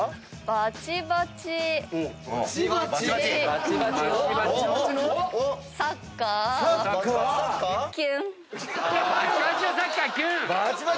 「バチバチサッカーキュン」！